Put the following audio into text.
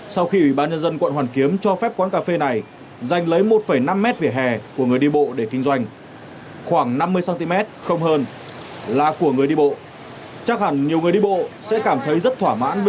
sau khi ủy ban nhân dân quận hoàn kiếm cho phép quán cà phê này dành lấy một năm mét vỉa hè của người đi bộ để kinh doanh